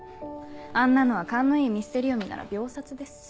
あんなのは勘のいいミステリ読みなら秒殺です。